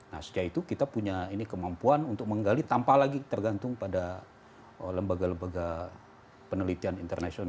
nah setelah itu kita punya ini kemampuan untuk menggali tanpa lagi tergantung pada lembaga lembaga penelitian internasional